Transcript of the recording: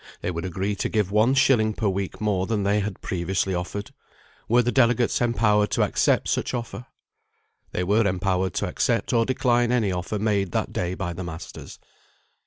They would agree to give one shilling per week more than they had previously offered. Were the delegates empowered to accept such offer? They were empowered to accept or decline any offer made that day by the masters.